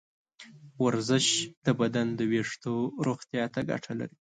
ورزش د بدن د ویښتو روغتیا ته ګټه لري.